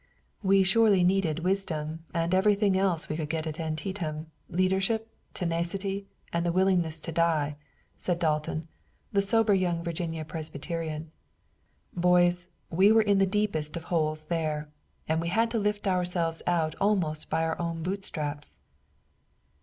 "We surely needed wisdom and everything else we could get at Antietam leadership, tenacity and the willingness to die," said Dalton, the sober young Virginia Presbyterian. "Boys, we were in the deepest of holes there, and we had to lift ourselves out almost by our own boot straps."